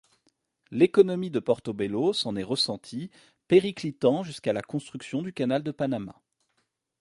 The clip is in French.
L'économie de Portobelo s'en est ressentie, périclitant jusqu'à la construction du canal de Panama.